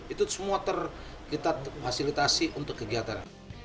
itu semua kita fasilitasi untuk kegiatan